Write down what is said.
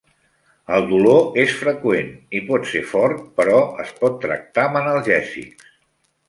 El dolor és freqüent i pot ser fort, però es pot tractar amb analgèsics.